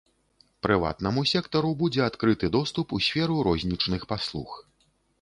Прыватнаму сектару будзе адкрыты доступ у сферу рознічных паслуг.